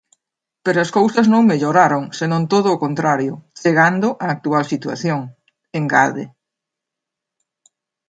"Pero as cousas non melloraron, senón todo o contrario, chegando á actual situación", engade.